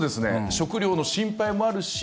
食料の心配もあるし